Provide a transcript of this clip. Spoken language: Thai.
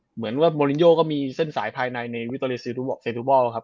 เหมือนว่าโมลินโยก็มีเส้นสายภายในในวิโตเลซีบอลครับ